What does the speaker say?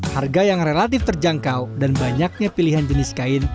harga yang relatif terjangkau dan banyaknya pilihan jenis kain